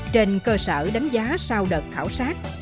trên cơ sở đánh giá sau đợt khảo sát